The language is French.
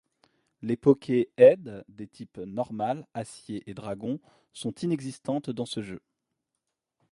Les Poké Aides des types Normal, Acier et Dragon sont inexistantes dans ce jeu.